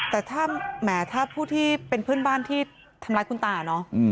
แต่ถ้าแหมถ้าผู้ที่เป็นเพื่อนบ้านที่ทำร้ายคุณตาเนอะ